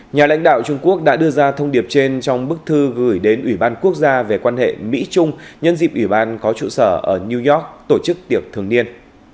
nhà lãnh đạo trung quốc đã đưa ra thông điệp trên trong bức thư gửi đến ủy ban quốc gia về quan hệ mỹ trung nhân dịp ủy ban có trụ sở ở new york tổ chức tiệc thường niên